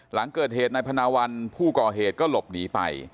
หลังเกิดเหตุนายพนาวัลผู้ก่อเหตุก็หลบหนีไป